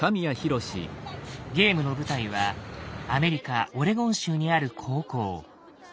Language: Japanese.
ゲームの舞台はアメリカオレゴン州にある高校。